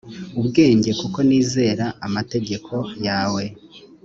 ubwenge kuko nizera amategeko yawe